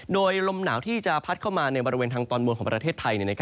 โดยลมหนาวที่จะพัดเข้ามาในบริเวณทางตอนบนของประเทศไทย